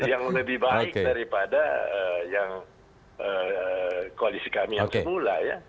yang lebih baik daripada yang koalisi kami yang semula ya